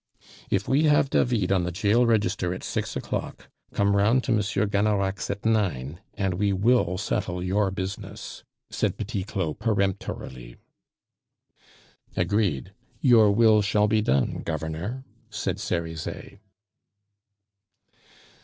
"If we have David on the jail register at six o'clock, come round to M. Gannerac's at nine, and we will settle your business," said Petit Claud peremptorily. "Agreed. Your will shall be done, governor," said Cerizet.